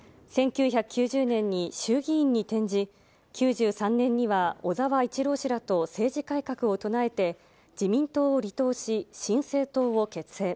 １９９０年に衆議院に転じ、９３年には小沢一郎氏らと政治改革を唱えて、自民党を離党し、新生党を結成。